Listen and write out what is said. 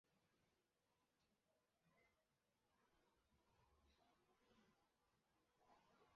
分子中含有多个乙烯氧基结构单元的大环醚称为冠醚。